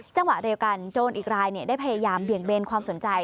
จังหวะเดียวกันโจรอีกรายได้พยายามเบี่ยงเบนความสนใจ